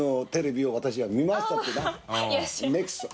ネクスト。